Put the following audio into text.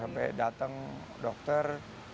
sampai datang dokter